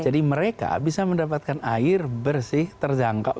jadi mereka bisa mendapatkan air bersih terjangkau